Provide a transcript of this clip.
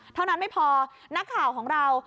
เท่านั้นไม่พอนักข่าวของเรา